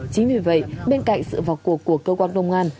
chính vì vậy bên cạnh sự vào cuộc của cơ quan công an